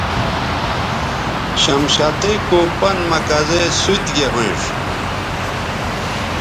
شمشتئ کو پن مہ کزے سوت گے ھوینݜ